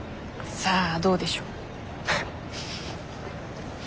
さあどうでしょう。